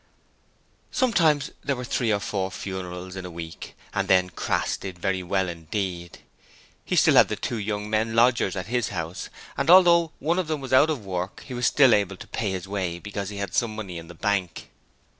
Sometimes there were three or four funerals in a week, and then Crass did very well indeed. He still had the two young men lodgers at his house, and although one of them was out of work he was still able to pay his way because he had some money in the bank.